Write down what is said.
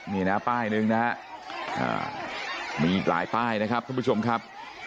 นี่นะป้ายหนึ่งนะฮะมีอีกหลายป้ายนะครับท่านผู้ชมครับ